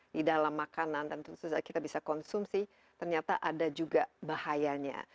di dalam makanan dan tentu saja kita bisa konsumsi ternyata ada juga bahayanya